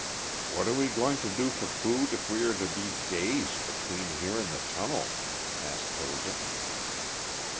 "What are we going to do for food if we are to be days between here and the tunnel?" asked Toza.